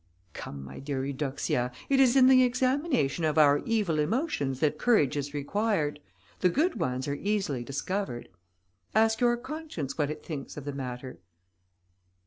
"Come, my dear Eudoxia, it is in the examination of our evil emotions that courage is required, the good ones are easily discovered. Ask your conscience what it thinks of the matter."